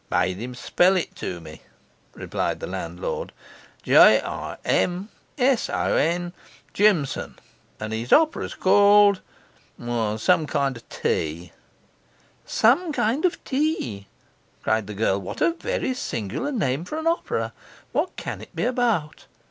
'Made him spell it to me,' replied the landlord. 'J I M S O N Jimson; and his op'ra's called some kind of tea.' 'SOME KIND OF TEA!' cried the girl. 'What a very singular name for an opera! What can it be about?